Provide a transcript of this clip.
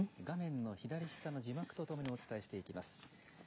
画面の左下の字幕とともにお伝えしていきます。